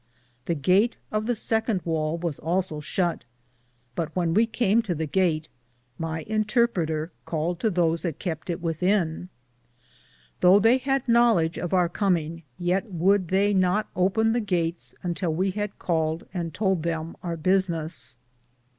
The gats of the second wale was also shutt, but when we came to the gate, my Intarpreter caled to those that kepte .it within. Thoughe they had Knowledge of our cominge, yeat would they not open the gates untill we had caled and tould them our busines.